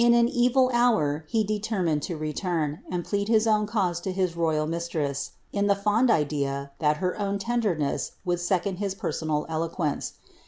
In an evil hour, he determined to return, and plead his own cause to his royal mistress, in the fond idea, that her own tenderness would lecond his personal eloquence.